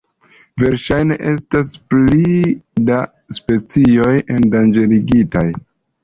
Verŝajne estas pli da specioj endanĝerigitaj.